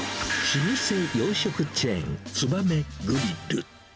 老舗洋食チェーン、つばめグリル。